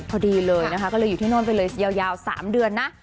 พอดีเลยนะคะก็เลยอยู่ที่โน่นไปเลยยาว๓เดือนนะ